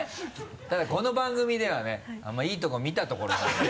ただこの番組ではねあんまりいいところ見たところないんで。